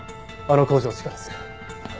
あの工場地下です。